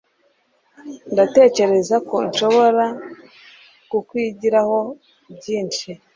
Ndatekereza ko nshobora kukwigiraho byinshi.